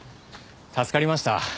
助かりました。